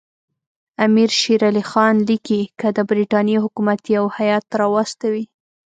امیر شېر علي خان لیکي که د برټانیې حکومت یو هیات راواستوي.